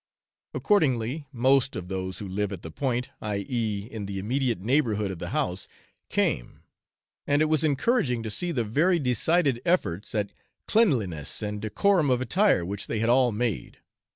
Accordingly, most of those who live at the Point, i.e. in the immediate neighbourhood of the house, came, and it was encouraging to see the very decided efforts at cleanliness and decorum of attire which they had all made.